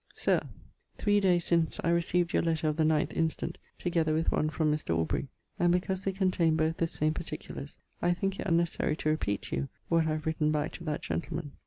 Sir, Three days since I receaved your letter of the 9ᵗʰ instant together with one from Mr. Aubrey, and because they containe both the same particulars I thinke it unnecessary to repeat to you what I have written back to that gentleman.